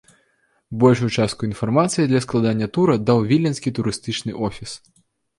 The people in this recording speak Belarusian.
Большую частку інфармацыі для складання тура даў віленскі турыстычны офіс.